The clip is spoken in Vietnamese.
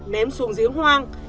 ném xuống dưới hoang